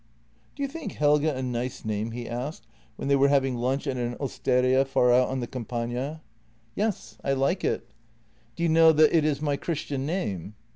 " Do you think Helge a nice name? " he asked, when they were having lunch at an osteria far out on the Campagna. " Yes; I like it." " Do you know that it is my Christian name?